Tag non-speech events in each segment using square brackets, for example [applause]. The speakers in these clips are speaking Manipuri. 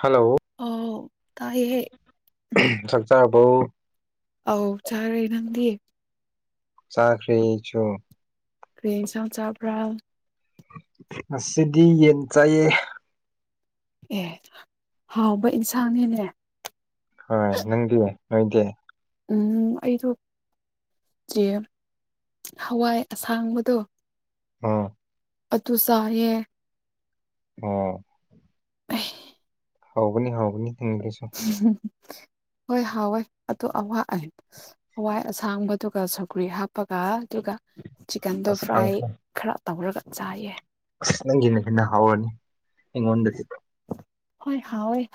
ꯍꯜꯂꯣ ꯑꯧ ꯇꯥꯏꯌꯦ ꯆꯥꯛꯆꯕꯣ ꯑꯧ ꯆꯥꯔꯦ ꯅꯪꯗꯤ ꯆꯥꯈ꯭ꯔꯦ ꯑꯩꯁꯨ ꯀ꯭ꯔꯤ ꯏꯟꯁꯥꯡ ꯆꯥꯕ꯭ꯔ ꯉꯁꯤꯗꯤ ꯌꯦꯟ ꯆꯥꯏꯌꯦ ꯑꯦ ꯍꯥꯎꯕ ꯏꯟꯁꯥꯡꯅꯤꯅꯦ ꯍꯣꯏ ꯅꯪꯗꯤ ꯅꯣꯏꯗꯤ ꯎꯝ ꯑꯩꯗꯣ ꯆꯦ ꯍꯋꯥꯏ ꯑꯁꯥꯡꯕꯗꯣ ꯑꯣ ꯑꯗꯨ ꯆꯥꯏꯌꯦ ꯑꯣ [inaudible] ꯍꯥꯎꯕꯅꯤ ꯍꯥꯎꯕꯅꯤ ꯑꯗꯨꯁꯨ ꯍꯣꯏ ꯍꯥꯎꯋꯦ ꯑꯣ ꯑꯋꯥ ꯑ ꯍꯋꯥꯏ ꯑꯁꯥꯡꯕꯗꯨꯒ ꯁꯧꯒ꯭ꯔꯤ ꯍꯥꯞꯄꯒ ꯑꯗꯨꯒ ꯆꯤꯛꯀꯟꯗꯣ ꯑꯁ ꯐ꯭ꯔꯥꯏ ꯀꯥꯡꯁꯣꯏ ꯈꯔ ꯇꯧꯔꯒ ꯆꯥꯏꯌꯦ ꯑꯁ ꯅꯪꯒꯤꯅ ꯍꯦꯟꯅ ꯍꯥꯎꯔꯅꯤ ꯑꯩꯉꯣꯟꯗꯒꯤ ꯍꯣꯏ ꯍꯥꯎꯋꯦ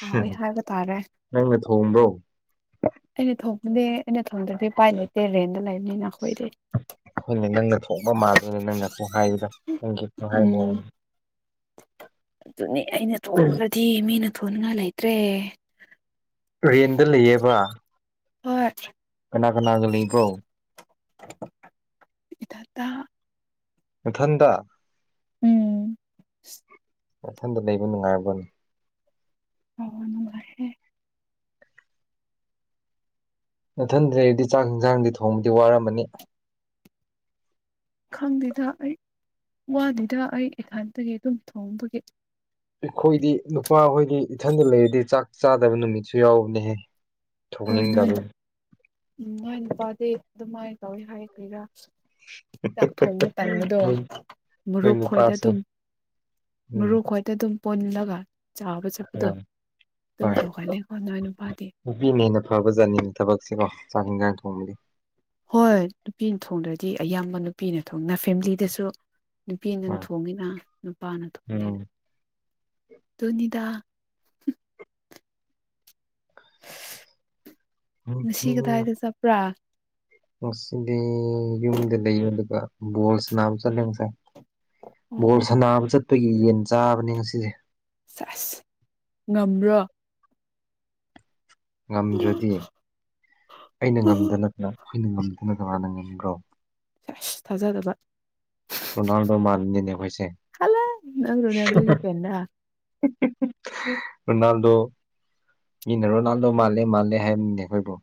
ꯍꯥꯎꯋꯦ ꯍꯥꯏꯕ ꯇꯥꯔꯦ ꯅꯪꯅ ꯊꯣꯡꯗ꯭ꯔꯣ ꯑꯩꯅ ꯊꯣꯡꯕꯗꯤ ꯑꯩꯅ ꯊꯣꯡꯗ꯭ꯔꯕꯗꯤ ꯏꯄꯥꯏ ꯂꯩꯇꯦ ꯔꯦꯟꯗ ꯂꯩꯕꯅꯤꯅ ꯑꯈꯣꯏꯗꯤ ꯍꯣꯏꯅꯦ ꯅꯪꯅ ꯊꯣꯡꯕ ꯃꯥꯜꯂꯦꯅꯦ ꯅꯪꯅ ꯈꯨꯍꯥꯏꯗꯣ ꯅꯪꯒꯤ ꯈꯨꯍꯥꯏ ꯎꯝ ꯃꯑꯣꯡꯗꯣ ꯑꯗꯨꯅꯤ ꯑꯩꯅ ꯊꯣꯡꯕꯗꯗꯤ ꯃꯤꯅ ꯊꯣꯡꯅꯤꯡꯉꯥꯏ ꯂꯩꯇ꯭ꯔꯦ ꯔꯦꯟꯗ ꯂꯩꯌꯦꯕ ꯍꯣꯏ ꯀꯅꯥ ꯀꯅꯥꯒ ꯂꯩꯕ꯭ꯔꯣ ꯏꯊꯟꯗ ꯅꯊꯟꯗ ꯎꯝ ꯅꯊꯟꯗ ꯂꯩꯕ ꯅꯨꯡꯉꯥꯏꯕ꯭ꯔꯣꯅꯦ ꯍꯣꯏ ꯅꯨꯡꯉꯥꯏ ꯍꯦ ꯅꯊꯟꯗꯩꯗꯤ ꯆꯥꯛ ꯏꯟꯁꯥꯡꯗꯤ ꯊꯣꯡꯕꯗꯤ ꯋꯥꯔꯝꯃꯅꯤ ꯈꯪꯗꯦꯗ ꯑꯩ ꯋꯥꯗꯦꯗ ꯑꯩ ꯏꯊꯟꯇꯒꯤ ꯑꯗꯨꯝ ꯊꯣꯡꯕꯒꯤ ꯑꯈꯣꯏꯗꯤ ꯅꯨꯄꯥꯍꯣꯏꯗꯤ ꯏꯊꯟꯗ ꯂꯩꯔꯗꯤ ꯆꯥꯛ ꯆꯥꯗꯕ ꯅꯨꯃꯤꯠꯁꯨ ꯌꯥꯎꯕꯅꯦꯍꯦ ꯍꯣꯏ ꯅꯣꯏ ꯊꯣꯡꯅꯤꯡꯗꯕꯒꯤ ꯎꯝ ꯅꯣꯏ ꯅꯨꯄꯥꯗꯤ ꯑꯗꯨꯃꯥꯏꯅ ꯇꯧꯏꯍꯥꯏ ꯀꯔꯤꯔ ꯆꯥꯛ ꯊꯣꯡꯕ ꯇꯟꯕꯗꯣ ꯎꯝ ꯅꯣꯏ ꯃꯨꯞ ꯈꯣꯏꯗ ꯅꯨꯄꯥꯁꯦ ꯑꯗꯨꯝ ꯎꯝ ꯃꯔꯨꯞ ꯈꯣꯏꯗ ꯑꯗꯨꯝ ꯄꯨꯜꯂꯒ ꯆꯥꯕ ꯆꯠꯄꯗꯣ ꯎꯝ ꯑꯗꯨꯝ ꯍꯣꯏ ꯇꯧꯒꯜꯂꯦꯀꯣ ꯅꯣꯏ ꯅꯨꯄꯥꯗꯤ ꯅꯨꯄꯤꯅ ꯍꯦꯟꯅ ꯐꯕ ꯖꯥꯠꯅꯤ ꯊꯕꯛꯁꯤꯀꯣ ꯆꯥꯛ ꯏꯟꯁꯥꯡ ꯊꯣꯡꯕꯗꯤ ꯍꯣꯏ ꯅꯨꯄꯤꯅ ꯊꯣꯡꯗ꯭ꯔꯗꯤ ꯑꯌꯥꯝꯕ ꯅꯨꯄꯤꯅ ꯊꯣꯡꯅ ꯐꯦꯃꯤꯂꯤꯗꯁꯨ ꯅꯨꯄꯤꯅ ꯊꯣꯡꯉꯤꯅ ꯅꯨꯄꯥꯅ ꯊꯣꯡꯗꯦꯅ ꯎꯝ ꯑꯗꯨꯅꯤꯗ [inaudible] ꯉꯁꯤ ꯎꯝ ꯀꯗꯥꯏꯗ ꯆꯠꯄ꯭ꯔꯥ ꯉꯁꯤꯗꯤ ꯌꯨꯝꯗ ꯂꯩꯌꯦ ꯑꯗꯨꯒ ꯕꯣꯜ ꯁꯅꯥꯕ ꯆꯠꯂꯦ ꯉꯁꯥꯏ ꯑꯣ ꯕꯣꯜ ꯑꯣ ꯁꯥꯟꯅꯕ ꯆꯠꯄꯒꯤ ꯌꯦꯟ ꯆꯥꯕꯅꯤ ꯉꯁꯤꯗꯤ ꯁꯦꯁ ꯉꯝꯕ꯭ꯔꯣ ꯉꯝꯗ꯭ꯔꯗꯤ ꯑꯩꯅ ꯉꯝꯗꯅ ꯀꯥꯅ ꯑꯈꯣꯏꯅ ꯉꯝꯗꯅ ꯀꯥꯅꯅ ꯉꯝꯕ꯭ꯔꯣ ꯑꯁ ꯊꯥꯖꯗꯕ [inaudible] ꯔꯣꯅꯥꯜꯗꯣ ꯃꯥꯟꯕꯅꯤꯅꯦ ꯑꯈꯣꯏꯁꯦ ꯍꯜꯂ ꯅꯪ ꯔꯣꯅꯥꯜꯗꯣꯒꯤ ꯐꯦꯟꯂ ꯔꯣꯅꯥꯜꯗꯣ ꯃꯤꯅ ꯔꯣꯅꯥꯜꯗꯣ ꯃꯥꯜꯂꯦ ꯃꯥꯜꯂꯦ ꯍꯥꯏꯕꯅꯦ ꯑꯈꯣꯏꯕꯨ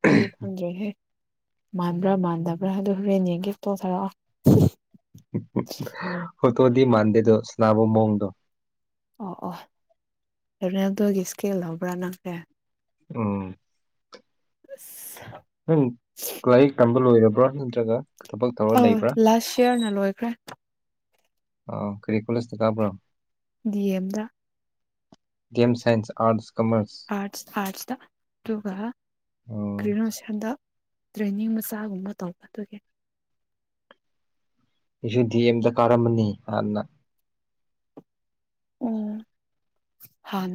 ꯇꯨꯔꯤ ꯈꯪꯗ꯭ꯔꯦꯍꯦ ꯃꯥꯟꯕ꯭ꯔꯥ ꯃꯥꯟꯗꯕ꯭ꯔꯥ ꯍꯥꯏꯕꯗꯨ ꯍꯣꯔꯦꯟ ꯌꯦꯡꯒꯦ ꯐꯣꯇꯣ ꯊꯥꯔꯛꯑꯣ ꯐꯣꯇꯣꯗꯤ ꯃꯥꯟꯗꯦꯗꯣ ꯁꯅꯥꯕꯣ ꯃꯑꯣꯡꯗꯣ ꯑꯣ ꯑꯣ ꯔꯣꯅꯥꯜꯗꯣꯒꯤ ꯏꯁꯀꯦꯜ ꯂꯧꯕ꯭ꯔꯥ ꯅꯪꯗꯤ ꯎꯝ ꯑꯁ ꯅꯪ ꯂꯥꯏꯔꯤꯛ ꯇꯝꯕ ꯂꯣꯏꯔꯕ꯭ꯔꯣ ꯅꯠꯇ꯭ꯔꯒ ꯊꯕꯛ ꯇꯧꯔ ꯑꯥ ꯂꯩꯕ꯭ꯔꯥ ꯂꯥꯁ ꯏꯌꯥꯔꯅ ꯂꯣꯏꯈ꯭ꯔꯦ ꯑꯣ ꯀꯔꯤ ꯀꯣꯜꯂꯦꯖꯇ ꯇꯝꯃꯛꯄ꯭ꯔꯣ ꯗꯤ ꯑꯦꯝꯗ D M science arts arts ꯑꯥꯔꯠꯁꯇ ꯑꯗꯨꯒ ꯎꯝ ꯒ꯭ꯔꯦꯖ꯭ꯋꯦꯁꯟꯗ ꯇ꯭ꯔꯦꯅꯤꯡ ꯃꯆꯥꯒꯨꯝꯕ ꯇꯧꯕ ꯑꯗꯨꯒꯤ ꯑꯩꯁꯨ ꯗꯤ ꯑꯦꯝꯗ ꯀꯥꯔꯝꯕꯅꯤ ꯍꯥꯟꯅ ꯑꯣ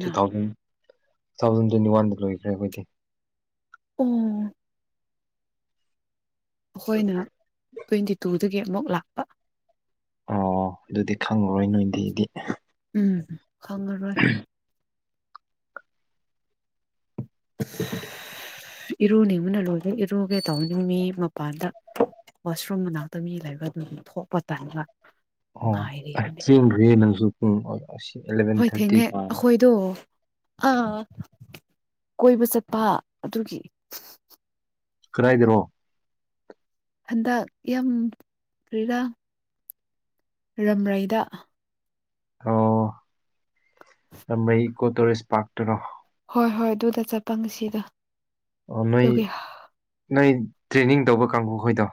two thousand two thousand twenty ꯋꯥꯟꯗ ꯂꯣꯏꯈ꯭ꯔꯦ ꯑꯈꯣꯏꯗꯤ ꯎꯝ ꯑꯈꯣꯏꯅ ꯇ꯭ꯋꯦꯟꯇꯤ ꯇꯨꯗꯒꯤ ꯑꯃꯨꯛ ꯂꯥꯛꯄ ꯑꯣ ꯑꯗꯨꯗꯤ ꯈꯪꯂꯉꯔꯣꯏ ꯅꯣꯏꯗꯨꯗꯤ ꯎꯝ ꯈꯪꯉꯔꯣꯏ [inaudible] ꯏꯔꯨꯅꯤꯡꯕꯅ ꯂꯣꯏꯔꯦ ꯏꯔꯨꯒꯦ ꯇꯧꯕꯅꯤ ꯃꯤ ꯃꯄꯥꯟꯗ ꯋꯥꯁꯔꯨꯝ ꯃꯅꯥꯛꯇ ꯃꯤ ꯂꯩꯕ ꯑꯗꯨꯝꯅꯤ ꯊꯣꯛꯄ ꯇꯥꯟꯕ ꯑꯣ [unintelligible] ꯍꯣꯏ ꯊꯥꯔꯇꯤ ꯊꯦꯡꯉꯦ ꯇꯥꯔꯦ ꯑꯈꯣꯏꯗꯣ ꯑꯥ ꯀꯣꯏꯕ ꯆꯠꯄ ꯑꯗꯨꯒꯤ ꯀꯔꯥꯏꯗꯔꯣ ꯍꯟꯗꯛ ꯌꯥꯝ ꯀꯔꯤꯔ ꯔꯝꯔꯩꯗ ꯑꯣ ꯔꯃꯩꯒꯤ ꯏꯀꯣ ꯇꯣꯔꯤꯁ ꯄꯥꯛꯇꯔꯣ ꯍꯣꯏ ꯍꯣꯏ ꯑꯗꯨꯗ ꯆꯠꯄ ꯉꯁꯤꯗ ꯑꯣ ꯅꯣꯏ ꯅꯣꯏ ꯇ꯭ꯔꯦꯅꯤꯡ ꯇꯧꯕ ꯀꯥꯡꯕꯨꯈꯣꯏꯗꯣ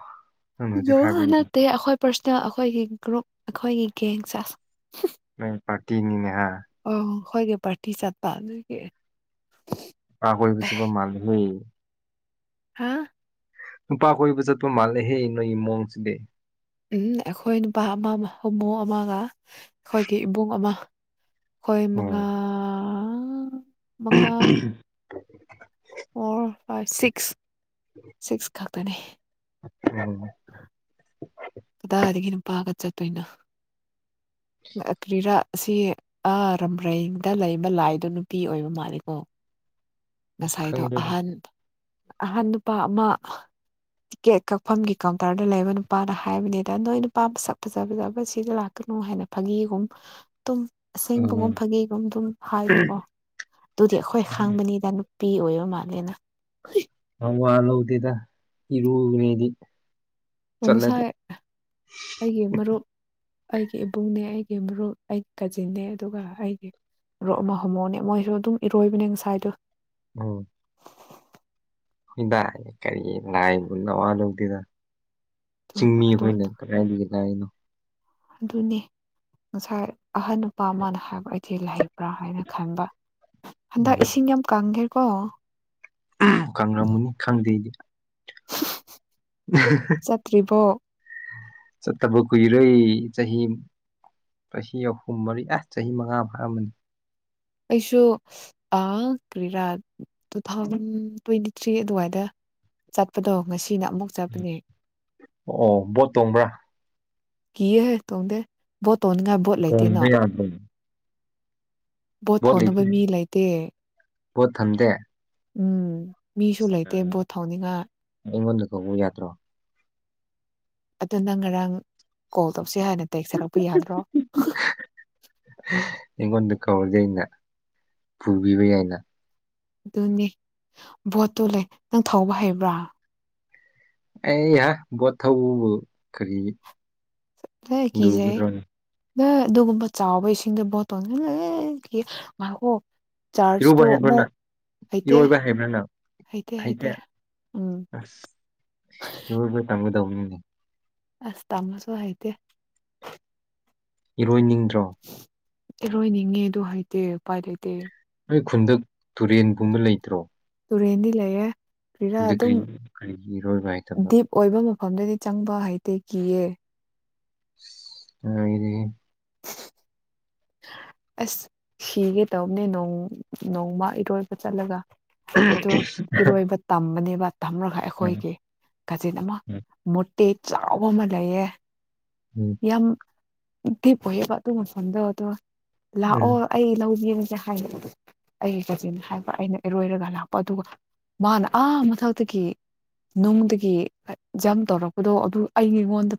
ꯅꯣ ꯅꯠꯇꯦ ꯑꯩꯈꯣꯏ ꯄꯔꯁꯣꯅꯦꯜ ꯑꯩꯈꯣꯏꯒꯤ ꯒ꯭ꯔꯨꯞ ꯑꯩꯈꯣꯏꯒꯤ ꯒꯦꯡꯁꯦ ꯅꯣꯏ ꯄꯔꯇꯤꯅꯤꯅꯦ ꯍꯥꯏ ꯑꯣ ꯈꯣꯏꯒꯤ ꯄꯥꯔꯇꯤ ꯆꯠꯄ ꯑꯗꯨꯒꯤ ꯅꯨꯄꯥ ꯀꯣꯏꯕ ꯆꯠꯄ ꯃꯥꯜꯂꯦ ꯅꯣꯏ ꯍꯥ ꯅꯨꯄꯥ ꯀꯣꯏꯕ ꯆꯠꯄ ꯃꯥꯜꯂꯦ ꯅꯣꯏ ꯃꯑꯣꯡꯁꯤꯗꯤ ꯎꯝ ꯑꯈꯣꯏ ꯅꯨꯄꯥ ꯑꯃ ꯍꯣꯃꯣ ꯑꯃꯒ ꯑꯈꯣꯏꯒꯤ ꯏꯕꯨꯡ ꯑꯃ ꯈꯣꯏ ꯃꯉꯥ ꯍꯣꯏ ꯃꯉꯥ [inaudible] ꯑꯣ ꯑꯥ ꯁꯤꯛꯁ ꯁꯤꯛꯁ ꯈꯛꯇꯅꯦ ꯎꯝ ꯀꯗꯥꯗꯒꯤ ꯅꯨꯄꯥꯒ ꯆꯠꯇꯣꯏꯅꯣ ꯑꯀ꯭ꯔꯤꯔꯥ ꯑꯁꯤ ꯑꯥ ꯔꯝꯕ꯭ꯔꯩꯗ ꯂꯩꯕ ꯂꯥꯏꯗꯣ ꯅꯨꯄꯤ ꯑꯣꯏꯕ ꯃꯥꯂꯀꯣ ꯑꯁ ꯉꯁꯥꯏꯗꯣ ꯈꯪꯗꯦꯗ ꯑꯍꯟ ꯑꯍꯟ ꯅꯨꯄꯥ ꯑꯃ ꯇꯤꯀꯦꯠ ꯀꯛꯐꯝꯒꯤ ꯀꯥꯎꯟꯇꯔꯗ ꯂꯩꯕ ꯅꯨꯄꯥꯅ ꯍꯥꯏꯕꯅꯦꯗ ꯅꯣꯏ ꯅꯨꯄꯥ ꯃꯁꯛ ꯐꯖ ꯐꯖꯕ ꯁꯤ ꯂꯥꯛꯀ ꯀꯩꯅꯣ ꯍꯥꯏꯅ ꯐꯥꯒꯤꯒꯨꯝ ꯇꯨꯝ ꯑꯁꯦꯡꯕꯒꯨꯝ ꯎꯝ ꯐꯥꯒꯤꯒꯨꯝ ꯑꯗꯨꯝ ꯍꯥꯏꯕꯀꯣ ꯑꯗꯨꯗꯤ ꯑꯈꯣꯏ ꯍꯪꯕꯅꯤꯗ ꯄꯤ ꯑꯣꯏꯕ ꯃꯥꯜꯂꯦ ꯅꯪ ꯋꯥ ꯂꯧꯗꯦꯗ ꯏꯔꯨꯈ꯭ꯔꯦꯗꯤ ꯑꯣ ꯄꯨꯡꯁꯥꯏ ꯑꯩꯒꯤ ꯃꯔꯨꯞ ꯑꯩꯒꯤ ꯏꯕꯨꯡꯅꯦ ꯑꯩꯒꯤ ꯃꯔꯨꯞ ꯑꯩꯒꯤ ꯀꯖꯤꯟꯅꯦ ꯑꯗꯨꯒ ꯑꯩꯒꯤ ꯔꯣꯛ ꯑꯃ ꯍꯣꯃꯣꯅꯦ ꯃꯣꯏꯁꯨ ꯑꯗꯨꯝ ꯏꯔꯣꯏꯕꯅꯦ ꯉꯁꯥꯏꯗꯣ ꯎꯝ [unintelligible] ꯅꯋꯥ ꯂꯧꯗꯦꯗ ꯆꯤꯡꯃꯤ ꯑꯗꯨ ꯑꯈꯣꯏꯅ ꯀꯗꯥꯏꯗꯒꯤ ꯂꯥꯛꯏꯅꯣ ꯑꯗꯨꯅꯦ ꯉꯁꯥꯏ ꯑꯍꯟ ꯅꯨꯄꯥ ꯑꯃꯅ ꯍꯥꯏꯕ ꯑꯩꯗꯤ ꯂ ꯍꯥꯏꯅ ꯈꯟꯕ ꯍꯟꯗꯛ ꯏꯁꯤꯡ ꯌꯥꯝ ꯀꯪꯒꯦꯀꯣ ꯀꯪꯔꯝꯃꯅꯤ ꯈꯪꯗꯦ ꯑꯩꯗꯤ ꯆꯠꯇ꯭ꯔꯤꯕꯣ ꯆꯠꯄ ꯀꯨꯏꯔꯦ ꯆꯍꯤ ꯆꯍꯤ ꯑꯍꯨꯝ ꯃꯔꯤ ꯑꯁ ꯆꯍꯤ ꯃꯉꯥ ꯐꯥꯔꯝꯃꯅꯤ ꯑꯩꯁꯨ ꯑꯪ ꯀ꯭ꯔꯤꯔꯥ ꯇꯨ ꯊꯥꯎꯖꯟ ꯇ꯭ꯋꯦꯟꯇꯤ ꯊ꯭ꯔꯤ ꯑꯗꯨꯋꯥꯏꯗ ꯆꯠꯄꯗꯣ ꯉꯁꯤꯅ ꯑꯃꯨꯛ ꯆꯠꯄꯅꯦ ꯑꯣ ꯕꯣꯠ ꯇꯣꯡꯕ꯭ꯔꯥ ꯀꯤꯌꯦꯍꯦ ꯇꯣꯡꯗꯦ ꯕꯣꯠ ꯇꯣꯡꯅꯤꯡꯉꯥꯏ ꯕꯣꯠ ꯂꯩꯇꯦꯅ ꯇꯣꯡꯕ ꯌꯥꯗ꯭ꯔꯣ ꯕꯣꯠ ꯊꯧꯅꯕ ꯃꯤ ꯂꯩꯇꯦ ꯄꯣꯠ ꯊꯝꯗꯦ ꯎꯝ ꯃꯤꯁꯨ ꯂꯩꯇꯦ ꯕꯣꯠ ꯊꯧꯅꯤꯡꯉꯥꯏ ꯀꯧꯎ ꯌꯥꯗ꯭ꯔꯣ ꯑꯗꯨ ꯅꯪ ꯉꯔꯥꯡ ꯀꯣꯜ ꯇꯧꯁꯤ ꯍꯥꯏꯅ ꯇꯦꯛꯁꯁꯤ ꯀꯛꯄ ꯌꯥꯗ꯭ꯔꯣ ꯑꯩꯉꯣꯟꯗ ꯀꯧꯔꯗꯤ ꯑꯩꯅ ꯄꯨꯕꯤꯕ ꯌꯥꯏꯅ ꯑꯗꯨꯅꯤ ꯚꯣꯠꯇꯨ ꯂꯩ ꯅꯪ ꯊꯧꯕ ꯍꯩꯕ꯭ꯔꯥ ꯑꯩꯍ ꯕꯣꯠ ꯊꯧꯕꯕꯨ ꯀꯔꯤ ꯂꯣꯏ ꯀꯤꯖꯩ ꯂꯨꯒꯗ꯭ꯔꯅꯦ ꯅ ꯑꯗꯨꯒꯨꯝꯕ ꯆꯥꯎꯕ ꯏꯁꯤꯡꯗ ꯕꯣꯠ ꯇꯣꯡ ꯑꯑ ꯀꯤꯌꯦ ꯉꯥꯏꯈꯣ ꯆꯥꯔꯖ ꯏꯔꯨꯕ ꯇꯣ ꯍꯩꯕ꯭ꯔ ꯑꯃꯨꯛ ꯅꯪ ꯍꯩꯇꯦ ꯏꯔꯣꯏꯕ ꯍꯥꯏꯕ꯭ꯔꯥ ꯅꯪ ꯍꯩꯇꯦ ꯎꯝ ꯑꯁ ꯏꯔꯣꯏꯕ ꯇꯝꯒꯗꯕꯅꯤ ꯑꯁ ꯇꯥꯝꯃꯁꯨ ꯍꯩꯇꯦ ꯏꯔꯣꯏꯅꯤꯡꯗ꯭ꯔꯣ ꯏꯔꯣꯏꯅꯤꯡꯉꯦ ꯑꯗꯨ ꯍꯩꯇꯦ ꯎꯄꯥꯏ ꯂꯩꯇꯦ ꯑꯣꯏ ꯈꯨꯟꯗ ꯇꯨꯔꯦꯟꯒꯨꯝꯕ ꯂꯩꯇ꯭ꯔꯣ ꯇꯨꯔꯦꯟꯗꯤ ꯂꯩꯌꯦ ꯀꯔꯤꯔ ꯑꯗꯨ ꯀꯔꯤ ꯑꯗꯨꯝ ꯀꯔꯤꯒꯤ ꯏꯔꯣꯏꯕ ꯍꯩꯇꯕ ꯗꯤꯞ ꯑꯣꯏꯕ ꯃꯐꯝꯗꯗꯤ ꯆꯪꯕ ꯍꯩꯇꯦ ꯀꯤꯌꯦ ꯑꯁ ꯂꯣꯏꯔꯦꯍꯦ ꯑꯁ ꯁꯤꯒꯦ ꯇꯧꯕꯅꯣꯡ ꯅꯣꯡꯃ ꯏꯔꯣꯏꯕ ꯆꯠꯂꯒ ꯑꯩꯗꯣ ꯏꯔꯣꯏꯕ ꯇꯝꯕꯅꯦꯕ ꯊꯝꯔꯒ ꯑꯈꯣꯏꯒꯤ ꯀꯥꯖꯤꯟ ꯑꯃ ꯎꯝ ꯃꯨꯔꯇꯦ ꯆꯥꯎꯕ ꯑꯃ ꯂꯩꯌꯦ ꯎꯝ ꯌꯥꯝ ꯗꯤꯞ ꯑꯣꯏꯑꯦꯕ ꯑꯗꯨ ꯃꯐꯝꯗ ꯑꯗꯣ ꯂꯥꯛꯑꯣ ꯑꯩ ꯂꯧꯒꯦ [unintelligible] ꯑꯩꯒꯤ ꯀꯖꯤꯟ ꯍꯥꯏꯕ ꯑꯩꯅ ꯏꯔꯣꯏꯔꯒ ꯂꯥꯛꯄ ꯑꯗꯨꯒ ꯃꯥꯅ ꯑꯥ ꯃꯊꯛꯇꯒꯤ ꯅꯨꯡꯗꯒꯤ ꯗꯝ ꯇꯧꯔꯛꯄꯗꯣ ꯑꯗꯨ ꯑꯩꯉꯣꯟꯗ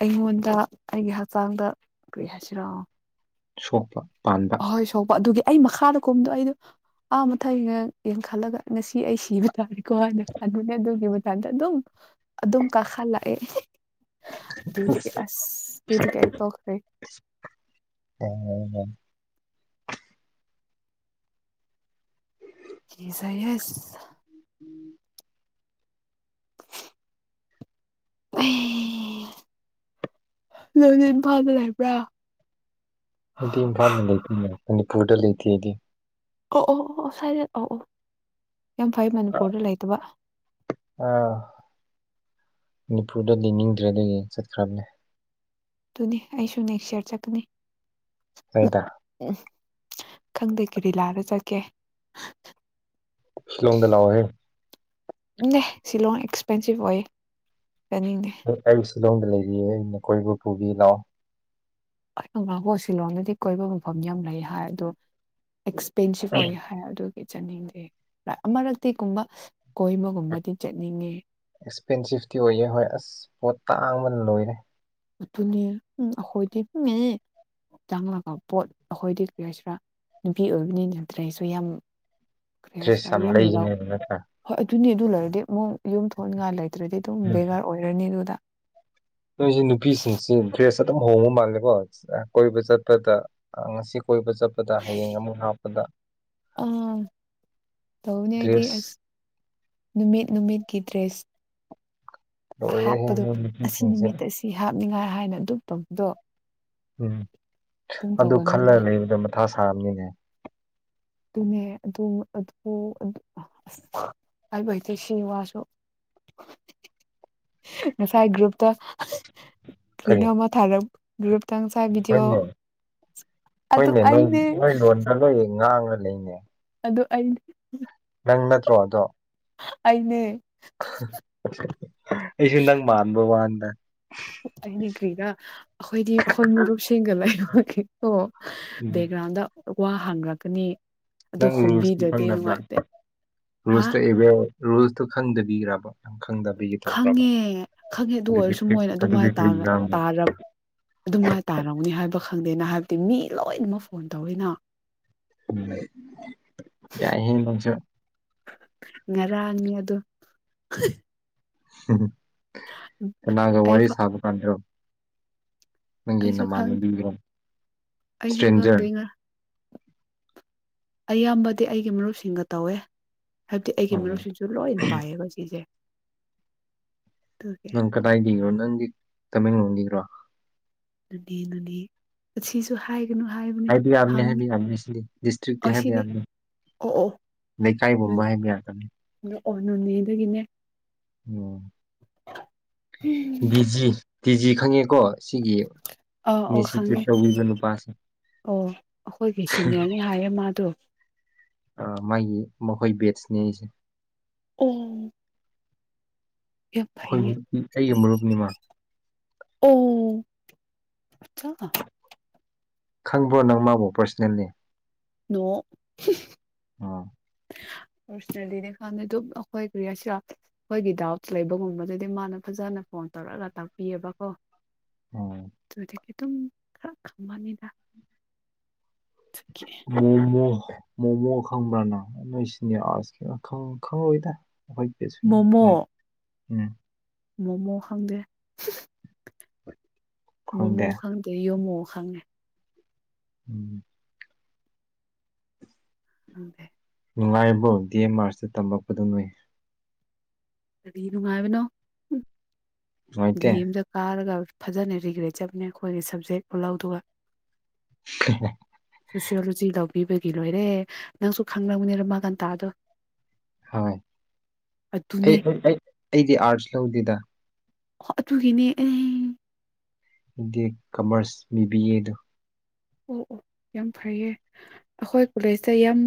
ꯑꯩꯉꯣꯟꯗ ꯗ ꯑꯩꯒꯤ ꯍꯛꯆꯥꯡꯗ ꯀꯔꯤ ꯍꯥꯏꯁꯤꯔꯣ ꯁꯣꯛꯄ ꯄꯥꯟꯕ ꯍꯣꯏ ꯁꯣꯛꯄ ꯑꯗꯨꯒꯤ ꯑꯩ ꯃꯈꯥꯗ ꯀꯨꯝꯕꯗꯣ ꯑꯩꯗꯣ ꯑꯥ ꯃꯊ ꯌꯦꯡꯈꯠꯂꯒ ꯉꯁꯤ ꯑꯩ ꯁꯤꯔ ꯇꯔꯦꯀꯣꯅ ꯈꯟꯕꯅꯦ ꯑꯗꯨꯒꯤ ꯃꯇꯟꯗ ꯑꯗꯨꯝ ꯑꯗꯨꯝ ꯀꯥꯈꯠꯂꯛꯑꯦ ꯇꯨꯗꯒꯤ ꯑꯁ ꯇꯨꯗꯒꯤꯗꯒꯤ ꯑꯩ ꯇꯣꯛꯈ꯭ꯔꯦ [unintelligible] ꯁꯤꯗꯤ ꯁꯥꯏꯌꯦ ꯑꯁ ꯅꯪꯗꯤ ꯏꯝꯐꯥꯜꯗ ꯂꯩꯕ꯭ꯔꯥ ꯑꯩꯗꯤ ꯏꯝꯐꯥꯜꯅ ꯂꯩꯇꯦꯅ ꯃꯅꯤꯄꯨꯔꯗ ꯂꯩꯇꯦ ꯑꯩꯗꯤ ꯑꯣ ꯑꯣ ꯑꯣ ꯑꯁꯥꯏꯗ ꯑꯣ ꯑꯣ ꯌꯥꯝ ꯐꯩ ꯃꯅꯤꯄꯨꯔꯗ ꯂꯩꯇꯕ ꯑꯥ ꯃꯅꯤꯄꯨꯔꯗ ꯂꯩꯅꯤꯡꯗ꯭ꯔꯦ ꯑꯗꯨꯒꯤ ꯆꯠꯈ꯭ꯔꯕꯅꯦ ꯇꯨꯅꯤ ꯑꯩꯁꯨ ꯅꯦꯁ ꯌꯔ ꯆꯠꯀꯅꯤ ꯀꯥꯏꯗ ꯈꯪꯗꯦ ꯀꯔꯤ ꯂꯥꯏꯔ ꯆꯠꯀꯦ ꯁꯤꯂꯣꯡꯗ ꯂꯥꯛꯑꯣ ꯍꯦ ꯅꯦ ꯁꯤꯂꯣꯡ ꯑꯦꯛꯁꯄꯦꯟꯁꯤꯚ ꯑꯣꯏꯌꯦ ꯆꯠꯅꯤꯡꯗꯦ ꯑꯩ ꯁꯤꯂꯣꯡꯗ ꯂꯩꯔꯤꯌꯦ ꯑꯩꯅ ꯀꯣꯏꯕ ꯄꯨꯕꯤ ꯂꯑꯣ ꯑꯁ ꯉꯀꯣ ꯁꯤꯂꯣꯡꯗꯗꯤ ꯀꯣꯏꯕ ꯃꯐꯝ ꯌꯥꯝ ꯂꯩ ꯍꯥꯏ ꯑꯗꯣ ꯑꯦꯛꯁꯄꯦꯟꯁꯤꯞ ꯑꯣꯏ ꯍꯥꯏ ꯑꯗꯨꯒꯤ ꯆꯠꯅꯤꯡꯗꯦ ꯑꯃꯔꯛꯇꯤꯀꯨꯝꯕ ꯑꯦꯛꯁꯄꯦꯟꯁꯤꯐꯇꯤ ꯑꯣꯏꯌꯦ ꯍꯣꯏ ꯑꯁ ꯄꯣꯠ ꯇꯥꯡꯕꯅ ꯂꯣꯏꯔꯦ ꯑꯗꯨꯅꯦ ꯎꯝ ꯑꯈꯣꯏꯗꯤ ꯎꯝ ꯆꯥꯡꯉꯒ ꯄꯣꯠ ꯑꯈꯣꯏꯗꯤ ꯀꯔꯁꯤꯔ ꯅꯨꯄꯤ ꯑꯣꯏꯕꯅꯤ ꯗ꯭ꯔꯦꯁꯨ ꯌꯥꯝ ꯀꯩ ꯗ꯭ꯔꯦꯁ ꯍꯥꯏꯁꯤꯔ ꯌꯥꯝ ꯂꯥꯎ ꯂꯩꯒꯅꯦꯕ ꯅꯠꯇ꯭ꯔꯥ ꯍꯣꯏ ꯑꯗꯨꯅꯤ ꯑꯗꯨ ꯂꯩꯔꯗꯤ ꯑꯃꯨꯛ ꯌꯨꯝ ꯊꯣꯛꯅꯤꯉꯥꯏ ꯂꯩꯇ꯭ꯔꯗꯤ ꯑꯗꯨꯝ ꯕꯦꯔ ꯑꯣꯏꯔꯅꯤ ꯑꯗꯨꯗ ꯅꯣꯏꯁꯤ ꯅꯨꯄꯤꯁꯤꯡꯁꯤ ꯗ꯭ꯔꯦꯁ ꯑꯗꯨꯝ ꯍꯣꯡꯕ ꯃꯥꯜꯂꯦꯀꯣ ꯀꯣꯏꯕ ꯆꯠꯄꯗ ꯉꯁꯤ ꯀꯣꯏꯕ ꯆꯠꯄꯗ ꯍꯌꯦꯡ ꯑꯃꯨꯛ ꯍꯥꯞꯄꯗ ꯑꯥ ꯇꯧꯕꯅꯦ ꯑꯩꯗꯤ ꯗ꯭ꯔꯦꯁ ꯑꯁ ꯅꯨꯃꯤꯠ ꯅꯨꯃꯤꯠꯀꯤ ꯗ꯭ꯔꯦꯁ ꯂꯣꯏꯔꯦꯍꯦ ꯍꯥꯞꯄꯗꯣ ꯃꯣꯏ ꯑꯁꯤ ꯅꯨꯄꯤꯁꯤꯡꯁꯦ ꯅꯨꯃꯤꯠ ꯑꯁꯤ ꯍꯥꯞ ꯍꯥꯞꯅꯤꯡꯉꯥꯏ ꯍꯥꯏꯅ ꯑꯗꯨ ꯇꯧꯕꯧꯕꯗꯣ ꯎꯝ ꯑꯗꯨ ꯇꯧꯒꯟꯕꯅꯦ ꯈꯜꯂꯒ ꯂꯩꯕꯗ ꯃꯊꯥ ꯁꯥꯕꯅꯤꯅꯦ ꯑꯗꯨꯅꯦ ꯑꯗꯨ ꯑꯗꯨꯕꯨ ꯑꯁ ꯍꯥꯏꯕ ꯍꯩꯇꯦꯁꯤ ꯋꯥꯁꯨ [inaudible] ꯉꯁꯥꯏ ꯒ꯭ꯔꯨꯞꯇ ꯀꯔꯤꯅꯣ ꯀꯔꯤ ꯑꯃ ꯊꯥꯔꯛ ꯒ꯭ꯔꯨꯞꯇ ꯉꯁꯥꯏ ꯚꯤꯗꯤꯑꯣ ꯍꯣꯏꯅꯦ ꯑꯗꯨ ꯍꯣꯏꯅꯦ ꯅꯣꯏ ꯑꯩꯅꯦ ꯅꯣꯏ ꯂꯣꯟꯗ ꯅꯣꯏ ꯉꯥꯡꯔ ꯂꯩꯅꯦ ꯑꯗꯨ ꯑꯩꯅꯦ ꯅꯪ ꯅꯠꯇ꯭ꯔꯣ ꯑꯗꯣ ꯑꯩꯅꯦ ꯑꯩꯁꯨ ꯅꯪ ꯃꯥꯟꯕꯥꯟꯕ ꯋꯅꯦꯗ ꯑꯩꯅꯦ ꯀꯔꯤꯔ ꯑꯩꯈꯣꯏꯗꯤ ꯑꯩꯈꯣꯏ ꯃꯔꯨꯞꯁꯤꯡꯒ ꯂꯩꯕꯒꯤꯀꯣ ꯎꯝ ꯕꯦꯛꯒ꯭ꯔꯥꯎꯟꯗ ꯋꯥ ꯍꯥꯡꯔꯛꯀꯅꯤ ꯑꯗꯣ ꯅꯪ ꯔꯨꯜꯁꯇꯤ ꯈꯨꯝꯕꯤꯗ꯭ꯔꯗꯤ ꯈꯪꯗꯕꯔ ꯅꯨꯡꯉꯥꯏꯇꯦ ꯍꯥ ꯔꯨꯜꯁꯇ ꯑꯦ [unintelligible] ꯔꯨꯜꯁꯇꯣ ꯈꯪꯗꯕꯤꯔꯕ ꯈꯪꯗꯕꯤꯒꯤ ꯇꯧꯕ꯭ꯔꯕ ꯈꯪꯉꯦ ꯈꯪꯉꯦ ꯑꯗꯨ ꯑꯗꯨꯗꯤ ꯑꯣꯏꯔꯁꯨ ꯀꯔꯤ ꯃꯣꯏꯅ ꯑꯗꯨꯗꯤ ꯑꯗꯨꯃꯥꯏꯅ ꯀꯔꯤ ꯉꯥꯡꯕ ꯇꯥꯔꯕ ꯑꯗꯨꯃꯥꯏꯅ ꯇꯥꯔꯝꯅꯤ ꯍꯥꯏꯕ ꯈꯪꯗꯦꯅ ꯍꯥꯏꯕꯗꯤ ꯃꯤ ꯂꯣꯏꯅꯃꯛ ꯐꯣꯟ ꯇꯧꯋꯤꯅ ꯎꯝ ꯌꯥꯏ ꯍꯦ ꯅꯪꯁꯨ ꯉꯔꯥꯡꯅꯤ ꯑꯗꯣ ꯀꯅꯥꯒ ꯑꯩ ꯋꯥꯔꯤ ꯁꯥꯕ ꯀꯥꯟꯗꯔꯣ ꯅꯪꯒꯤ ꯑꯩꯁꯨ ꯅꯃꯥꯟ ꯅꯕꯤꯒꯔꯣ ꯑꯩꯁꯨ ꯏꯁꯇ꯭ꯔꯦꯟꯖꯔ ꯈꯪꯗꯦ ꯑꯌꯥꯝꯕꯗꯤ ꯑꯩꯒꯤ ꯃꯔꯨꯞꯁꯤꯡꯒ ꯇꯧꯋꯦ ꯍꯥꯏꯕꯗꯤ ꯑꯩꯒꯤ ꯎꯝ ꯃꯤꯨꯞꯁꯤꯁꯨ ꯂꯣꯏ ꯄꯥꯏꯌꯦꯕ ꯁꯤꯁꯦ ꯑꯗꯨꯒꯤ ꯅꯪ ꯀꯗꯥꯏꯗꯒꯤꯒ꯭ꯔꯣ ꯅꯪꯒꯤ ꯇꯃꯦꯡꯂꯣꯡꯗꯒꯤꯔꯣ ꯅꯣꯅꯦ ꯅꯣꯅꯦ ꯑꯁꯤꯁꯨ ꯍꯥꯏ ꯍꯥꯏꯕ ꯌꯥꯕꯅꯦ ꯍꯥꯏꯕ ꯌꯥꯕꯅꯦ ꯑꯁꯤꯗꯤ ꯗꯤꯁꯇ꯭ꯔꯤꯛꯇꯤ ꯍꯥꯏꯕ ꯑꯁꯤꯗꯤ ꯌꯥꯕꯅꯦ ꯑꯣ ꯑꯣ ꯂꯩꯀꯥꯏ ꯀꯨꯝꯕ ꯍꯥꯏꯕ ꯌꯥꯗꯕꯅꯦ ꯅꯣꯅꯦ ꯗꯒꯤꯅꯦ ꯑꯝ ꯗꯤꯖꯤ ꯇꯤꯖꯤ ꯈꯪꯉꯦ ꯀꯣ ꯁꯤꯒꯤ ꯑꯥ ꯑꯣ ꯅꯤꯁꯤꯄꯔꯤꯠ ꯈꯪꯉꯦ ꯇꯧꯕꯤꯕ ꯅꯨꯄꯥꯁꯤ ꯑꯣ ꯑꯈꯣꯏꯒꯤ ꯁꯤꯅꯤꯌꯔꯅꯤ ꯍꯥꯏꯌꯦ ꯃꯥꯗꯣ ꯑꯥ ꯃꯥꯒꯤ ꯃꯈꯣꯏ ꯕꯦꯠꯁꯅꯦ ꯑꯩꯁꯦ ꯑꯝ ꯌꯝ ꯑꯩꯈꯣꯏ ꯐꯩꯌꯦ ꯑꯩꯒꯤ ꯃꯔꯨꯞꯅꯤ ꯃꯥ ꯑꯝ [unintelligible] ꯈꯪꯕ꯭ꯔꯣ ꯅꯪ ꯃꯥꯕꯣ ꯄꯥ꯭ꯔꯁꯅꯦꯜꯂꯤ ꯅꯣ ꯑꯥ ꯄꯔꯁꯅꯦꯜꯂꯤ ꯈꯥꯟꯗ ꯑꯗꯨꯝ ꯑꯈꯣꯏ ꯀꯁꯤ ꯑꯈꯣꯏꯒꯤ ꯗꯥꯎꯠ ꯂꯩꯕꯒꯨꯝꯕꯗꯗꯤ ꯃꯥꯅ ꯐꯖꯅ ꯐꯖꯅ ꯐꯣꯟ ꯇꯧꯔꯛꯒ ꯇꯥꯛꯄꯤꯑꯕꯀꯣ ꯎꯝ ꯑꯗꯨꯗꯒꯤꯗꯒꯤꯇꯨꯝ ꯈꯔ ꯈꯪꯕꯅꯤꯗ ꯑꯗꯨꯒꯤ ꯑꯣ ꯃꯣꯃꯣ ꯈꯪꯕ꯭ꯔꯥꯅ ꯅꯣꯏꯁꯤꯅꯦ ꯑꯁ ꯈꯪ ꯈꯪꯔꯏꯗ ꯑꯈꯣꯏ ꯕꯦꯁ ꯃꯣꯃꯣ ꯎꯝ ꯎꯝ ꯃꯣꯃꯣ ꯈꯪꯗꯦ ꯃꯣꯃꯣ ꯈꯪꯗꯦ ꯌꯣꯃꯣ ꯈꯪꯉꯦ ꯎꯝ ꯈꯪꯗꯦ ꯅꯨꯡꯉꯥꯏꯔꯤꯕ ꯗꯤ ꯑꯦꯝ ꯑꯥꯔꯁꯇ ꯇꯝꯂꯛꯄꯗꯨ ꯅꯣꯏ ꯀꯔꯤ ꯅꯨꯡꯉꯥꯏꯕꯅꯣ ꯗꯤ ꯅꯨꯡꯉꯥꯏꯇꯦ ꯑꯦꯝꯗ ꯀꯥꯔꯒ ꯐꯖꯅ ꯔꯤꯒ꯭ꯔꯦꯆꯞꯅꯦ ꯑꯈꯣꯏꯒꯤ ꯁꯕꯖꯦꯛ ꯈꯨꯂꯧꯗꯨꯒ ꯍꯦꯍꯦ ꯁꯣꯁꯤꯌꯣꯂꯣꯖꯤ ꯂꯧꯕꯤꯕꯒꯤ ꯂꯣꯏꯔꯦ ꯅꯪꯁꯨ ꯈꯪꯕꯅꯤꯗ ꯎꯃꯥꯀꯥꯟꯇꯥꯥꯗꯣ ꯍꯣꯏ ꯑꯩ ꯑꯗꯨꯅꯦ ꯑꯩꯗꯤ ꯑꯥꯔꯠꯁ ꯂꯧꯗꯦꯗ ꯑꯗꯨꯒꯤꯅꯦ ꯑꯩ ꯏꯟꯗꯤ ꯀꯃꯔꯁ ꯕꯤ ꯕꯤ ꯑꯦꯗ ꯑꯣ ꯑꯣ ꯌꯥꯝ ꯐꯩꯌꯦ ꯑꯈꯣꯏ ꯀꯣꯜꯂꯦꯖꯇ ꯌꯥꯝ